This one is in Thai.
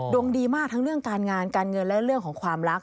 ดวงดีมากทั้งเรื่องการงานการเงินและเรื่องของความรัก